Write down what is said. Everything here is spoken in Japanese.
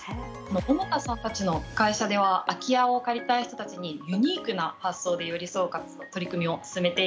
桃田さんたちの会社では空き家を借りたい人たちにユニークな発想で寄り添う取り組みを進めています。